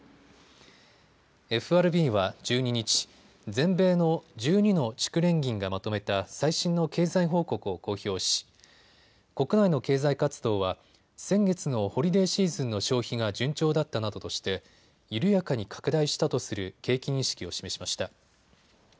ＦＲＢは１２日、全米の１２の地区連銀がまとめた最新の経済報告を公表し国内の経済活動は先月のホリデーシーズンの消費が順調だったなどとして緩やかに拡大したとする景気認識を示しました。